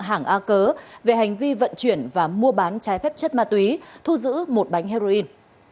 hàng a cớ về hành vi vận chuyển và mua bán trái phép chất ma túy thu giữ một bánh heroin